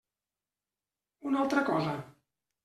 Una altra cosa.